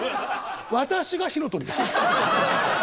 私が火の鳥です。